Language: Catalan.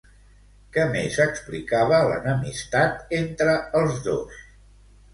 Què més explicava l'enemistat entre els dos?